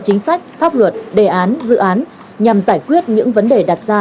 chính sách pháp luật đề án dự án nhằm giải quyết những vấn đề đặt ra